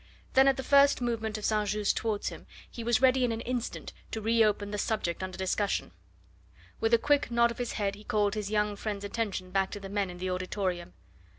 Then at the first movement of St. Just towards him he was ready in an instant to re open the subject under discussion. With a quick nod of his head he called his young friend's attention back to the men in the auditorium.